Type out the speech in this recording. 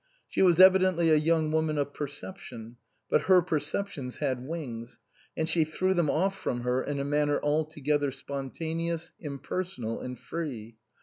She was evidently a young woman of perception ; but her perceptions had wings, and she threw them off from her in a manner altogether spontaneous, impersonal and free.